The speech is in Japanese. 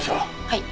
はい。